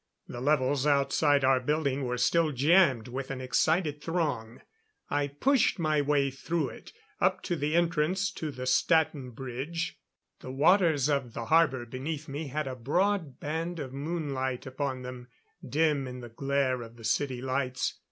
The levels outside our building were still jammed with an excited throng. I pushed my way through it, up to the entrance to the Staten Bridge. The waters of the harbor beneath me had a broad band of moonlight upon them, dim in the glare of the city lights.